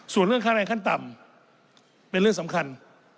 ส่วนเรื่องค่าแรงขั้นต่ำเป็นเรื่องสำคัญ